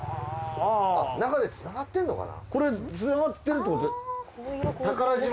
中で繋がってんのかな？